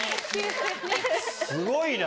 すごいな。